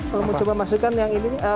kalau mau coba masukkan yang ini